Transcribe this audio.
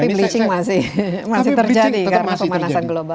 tapi bleaching masih terjadi karena pemanasan global